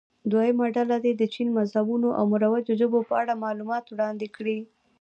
دویمه ډله دې د چین مذهبونو او مروجو ژبو په اړه معلومات وړاندې کړي.